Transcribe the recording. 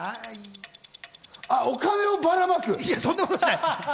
お金をばらまく？